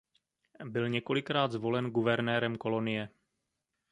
Byl několikrát zvolen guvernérem kolonie.